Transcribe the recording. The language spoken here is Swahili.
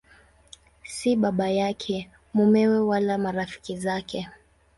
Si baba yake, mumewe wala marafiki zake.